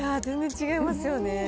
全然違いますよね。